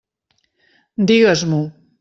Digues-m'ho!